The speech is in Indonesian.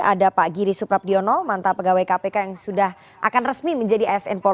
ada pak giri suprabdiono mantan pegawai kpk yang sudah akan resmi menjadi asn polri